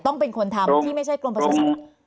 ต้องเป็นคนทำที่ไม่ใช่กรมภาษาศัตริย์